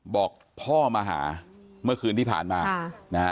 บอกพ่อมาหาเมื่อคืนที่ผ่านมานะฮะ